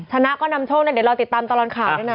ชนะก็นำโชคนะเดี๋ยวเราติดตามตลอดข่าวด้วยนะ